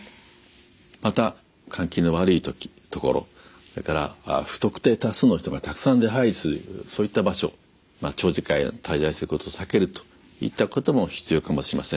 また換気の悪い所それから不特定多数の人がたくさん出はいりするそういった場所まあ長時間滞在することを避けるといったことも必要かもしれません。